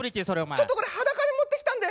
ちょっとこれ裸で持ってきたんで。